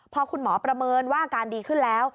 พอคุณหมอประเมินว่าอาการดีขึ้นแล้ว